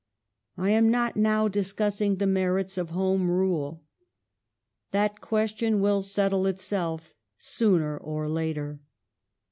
I am not now discussing the merits of . Home Rule. That question will settle itself sooner or later.